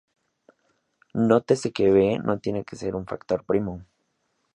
Nótese que B no tiene que ser un factor primo.